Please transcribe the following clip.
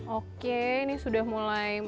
oke ini sudah mulai